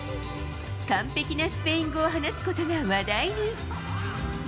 完璧なスペイン語を話すことが話題に。